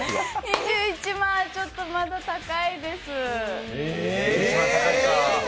２１万はちょっとまだ高いです。